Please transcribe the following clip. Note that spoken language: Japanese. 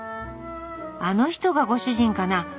あの人がご主人かな。